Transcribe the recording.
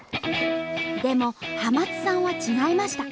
でも濱津さんは違いました。